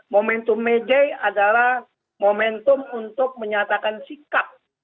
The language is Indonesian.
momentum may day adalah momentum untuk menyatakan sikap